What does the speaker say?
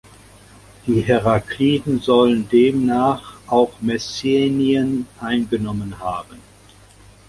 Die Herakliden sollen demnach auch Messenien eingenommen haben.